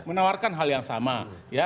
menawarkan hal yang sama